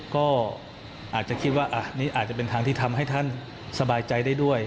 ก็อาจจะคิดว่าอันนี้อาจจะเป็นทางที่ทำให้ท่านสบายใจได้ด้วย